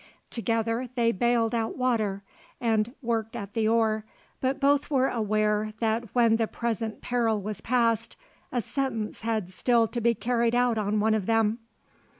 Together they baled out water and worked at the oar, but both were aware that when the present peril was past a sentence had still to be carried out on one of them.